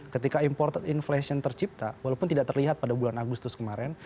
ketika imported inflation tercipta walaupun tidak terlihat pada bulan agustus kemarin